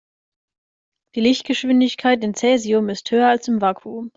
Die Lichtgeschwindigkeit in Cäsium ist höher als im Vakuum.